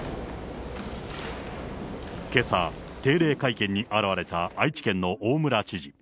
けさ、定例会見に現れた愛知県の大村知事。